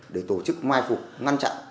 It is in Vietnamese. để tổ chức mai phục ngăn chặn